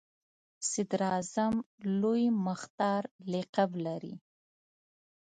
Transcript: صدراعظم لوی مختار لقب لري.